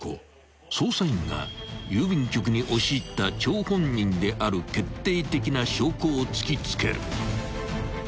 ［捜査員が郵便局に押し入った張本人である決定的な証拠を突き付ける］